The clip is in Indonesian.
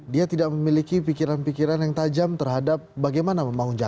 dia tidak memiliki pikiran pikiran yang tajam terhadap bagaimana membangun jakarta